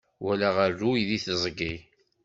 Walaɣ aruy di teẓgi.